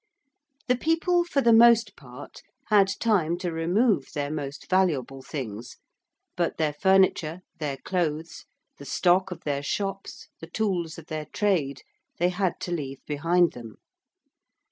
The people, for the most part, had time to remove their most valuable things, but their furniture, their clothes, the stock of their shops, the tools of their trade, they had to leave behind them.